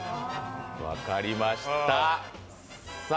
分かりました、さあ。